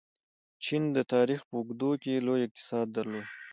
چین د تاریخ په اوږدو کې لوی اقتصاد درلود.